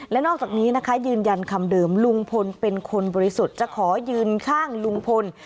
และนอกจากนี้นะคะยืนยันคำเดิมลุงพลเป็นคนบริสุทธิ์จะขอยืนข้างลุงพล